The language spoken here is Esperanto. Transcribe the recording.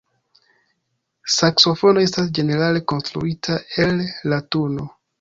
Saksofono estas ĝenerale konstruita el latuno.